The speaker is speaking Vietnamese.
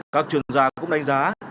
các chuyên gia cũng đánh giá